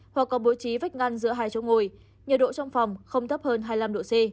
hoặc có bố trí vách ngăn giữa hai chỗ ngồi nhiệt độ trong phòng không thấp hơn hai mươi năm độ c